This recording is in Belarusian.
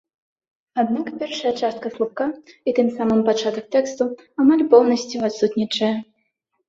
Аднак першая частка слупка і, тым самым, пачатак тэксту амаль поўнасцю адсутнічае.